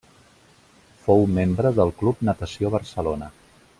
Fou membre del Club Natació Barcelona.